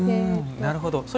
なるほど。